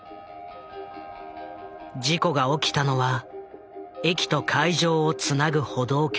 事故が起きたのは駅と会場をつなぐ歩道橋。